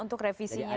untuk revisinya juga